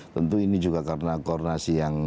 tentu ini juga karena koordinasi yang